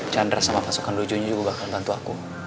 chandra sama pasukan dojunya juga akan bantu aku